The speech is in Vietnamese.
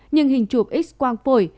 nhưng hình chụp x quang phổi